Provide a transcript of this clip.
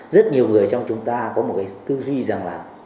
rất nhiều người trong chúng ta có một cái tư duy rằng là